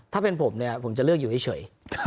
ถ้าเป็นผมเนี่ยผมจะเลือกอยู่เฉย